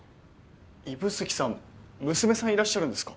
指宿さん娘さんいらっしゃるんですか？